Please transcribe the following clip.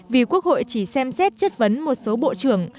vì quốc hội chỉ xem xét chất vấn một số bộ trưởng